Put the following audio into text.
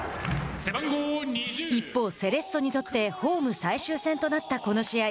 一方、セレッソにとってホーム最終戦となったこの試合。